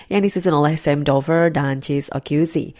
yang disusun oleh sam dover dan cis ocuse